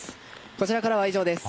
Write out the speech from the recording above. こちらからは以上です。